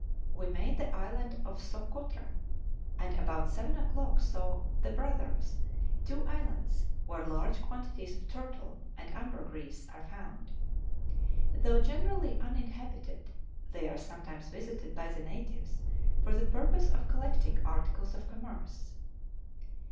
we made the island of Sokotra, and about seven o'clock saw 'The Brothers,' two islands where large quantities of turtle and ambergris are found. Though generally uninhabited, they are sometimes visited by the natives for the purpose of collecting articles of commerce.